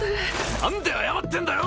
何で謝ってんだよ！